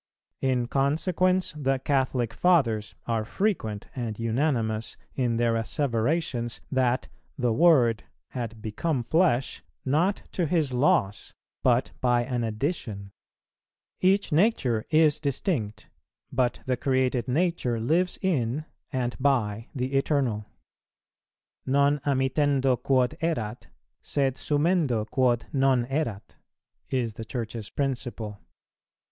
In consequence the Catholic Fathers are frequent and unanimous in their asseverations, that "the Word" had become flesh, not to His loss, but by an addition. Each Nature is distinct, but the created Nature lives in and by the Eternal. "Non amittendo quod erat, sed sumendo quod non erat," is the Church's principle.